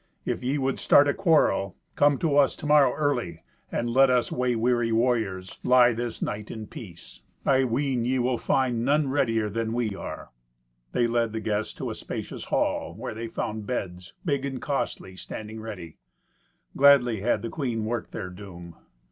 If ye would start a quarrel, come to us to morrow early, and let us way weary warriors lie this night in peace. I ween ye will find none readier than we are." They led the guests to a spacious hall, where they found beds, big and costly, standing ready. Gladly had the queen worked their doom.